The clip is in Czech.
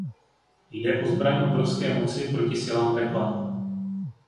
Jde o zbraň obrovské moci proti silám pekla.